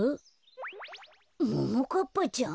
ももかっぱちゃん？